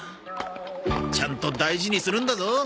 ちゃんと大事にするんだぞ。